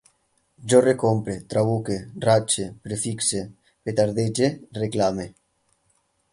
Jo recompre, trabuque, ratxe, prefixe, petardege, reclame